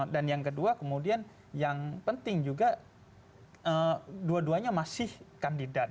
dan yang kedua kemudian yang penting juga dua duanya masih kandidat